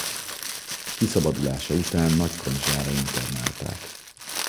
Kiszabadulása után Nagykanizsára internálták.